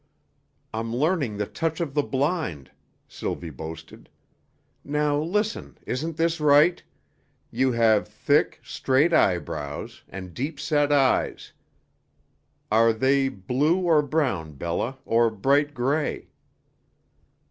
"I'm learning the touch of the blind," Sylvie boasted. "Now, listen isn't this right? You have thick, straight eyebrows and deep set eyes; are they blue or brown, Bella, or bright gray?"